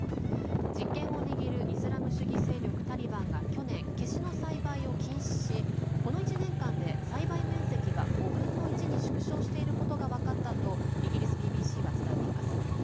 実権を握るイスラム主義勢力タリバンが去年ケシの栽培を禁止しこの１年間で栽培面積が５分の１に縮小していることが分かったとイギリスＢＢＣは伝えています。